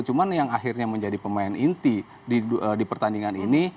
cuma yang akhirnya menjadi pemain inti di pertandingan ini